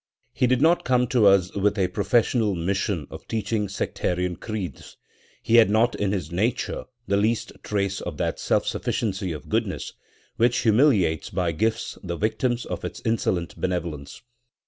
He did not come to us with a professional mission of teaching sectarian creeds; he had not in his nature the least trace of that self sufficiency of goodness, which humiliates by gifts the victims of its insolent benevolence.